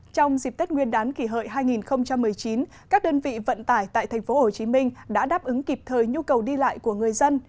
trong dịp tết nguyên đán kỷ hợi hai nghìn một mươi chín các đơn vị vận tải tại tp hcm đã đáp ứng kịp thời nhu cầu đi lại của người dân